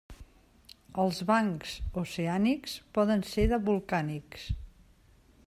Els bancs oceànics poden ser de volcànics.